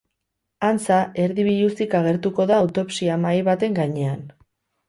Antza, erdi biluzik agertuko da autopsia-mahai baten gainean.